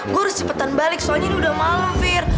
gue harus cepetan balik soalnya ini udah malu fir